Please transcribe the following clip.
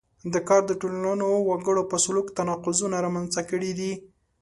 دا کار د ټولنو وګړو په سلوک کې تناقضونه رامنځته کړي دي.